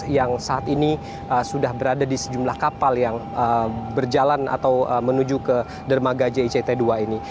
yang saat ini sudah berada di sejumlah kapal yang berjalan atau menuju ke dermaga jict dua ini